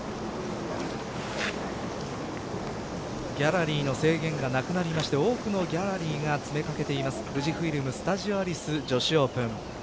ギャラリーの制限がなくなりまして多くのギャラリーが詰め掛けています富士フイルム・スタジオアリス女子オープン。